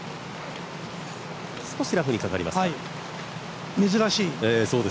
少し、ラフにかかりました。